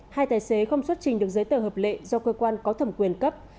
hai tài xế không xuất trình được giấy tờ hợp lệ do cơ quan có thẩm quyền cấp